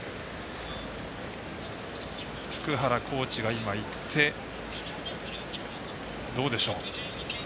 福原コーチがいってどうでしょう。